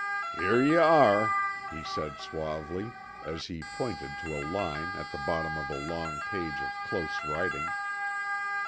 "Here you are," he said suavely, as he pointed to a line at the bottom of a long page of close writing.